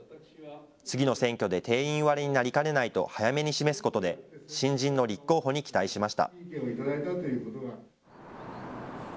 次の選挙で定員割れになりかねないと早めに示すことで、新人の立候補に期待しました。